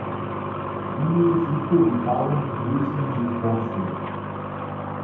Mimi-Siku und Karen begrüßen sich herzlich.